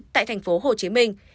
tại thành phố hồ chí minh